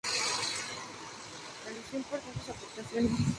Realizó importantes aportaciones a las matemáticas y a la física.